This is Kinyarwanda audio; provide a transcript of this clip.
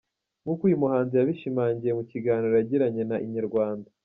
Nk’uko uyu muhanzi yabishimangiye mu kiganiro yagiranye na Inyarwanda.